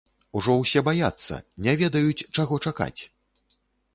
Ужо ўсе баяцца, не ведаюць, чаго чакаць.